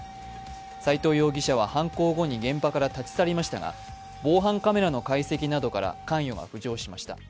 斎藤容疑者は犯行後に現場から立ち去りましたが、防犯カメラの解析などから関与が浮上しました。